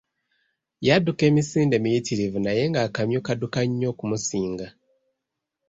Yadduka emisinde miyitirivu naye ng'akamyu kadduka nnyo okumusinga.